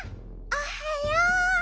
おはよう！